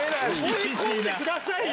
思い込んでくださいよ！